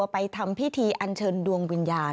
มรับเพลิงมาอาจไปทำพิธีอัญเชิญดวงวิญญาณ